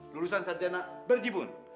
lulusan santana berjibun